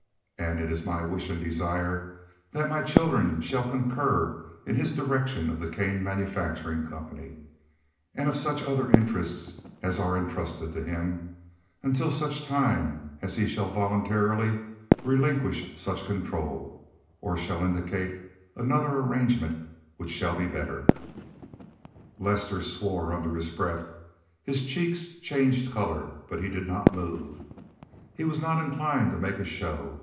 And it is my wish and desire that my children shall concur in his direction of the Kane Manufacturing Company, and of such other interests as are entrusted to him, until such time as he shall voluntarily relinquish such control, or shall indicate another arrangement which shall be better." Lester swore under his breath. His cheeks changed color, but he did not move. He was not inclined to make a show.